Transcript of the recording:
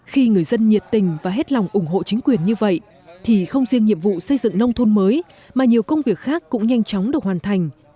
khi người dân nhiệt tình và hết lòng ủng hộ chính quyền như vậy thì không riêng nhiệm vụ xây dựng nông thôn mới mà nhiều công việc khác cũng nhanh chóng được hoàn thành